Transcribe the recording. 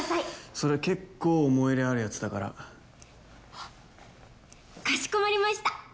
それ結構思い入れあるやつだからかしこまりました